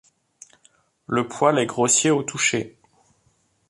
Le poil est grossier au toucher.